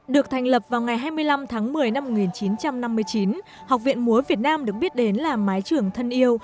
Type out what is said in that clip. được thành lập vào ngày hai mươi năm tháng một mươi năm một nghìn chín trăm năm mươi chín học viện múa việt nam được biết đến là mái trưởng thân yêu